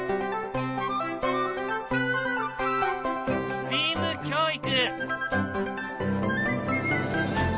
ＳＴＥＡＭ教育。